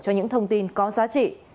cho những thông tin có giá trị